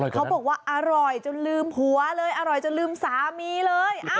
เขาบอกว่าอร่อยจนลืมหัวเลยอร่อยจนลืมสามีเลย